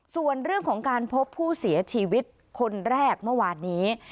ส่วนเรื่องของการพบผู้เสียชีวิตคนแรกเมื่อวานนี้